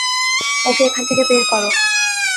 ওকে এখান থেকে বের করো।